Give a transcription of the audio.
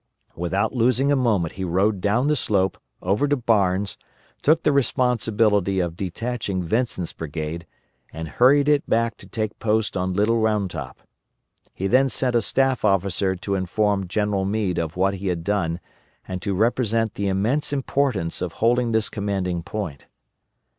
Without losing a moment he rode down the slope, over to Barnes, took the responsibility of detaching Vincent's brigade, and hurried it back to take post on Little Round Top. He then sent a staff officer to inform General Meade of what he had done and to represent the immense importance of holding this commanding point.